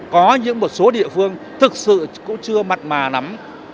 có những một số địa phương thực sự cũng chưa mặt mà lắm